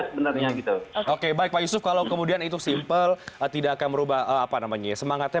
sebenarnya gitu oke baik pak yusuf kalau kemudian itu simpel tidak akan merubah apa namanya ya semangatnya